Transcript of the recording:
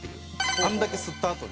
あんだけ吸ったあとに。